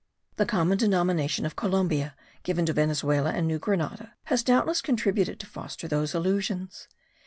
The common denomination of Columbia given to Venezuela and New Grenada has doubtless contributed to foster those illusions.